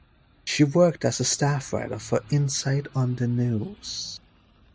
She worked as a staff writer for "Insight on the News".